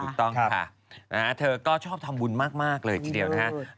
ถูกต้องค่ะเธอก็ชอบทำบุญมากเลยทีเดียวนะครับ